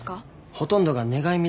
ほとんどが願い水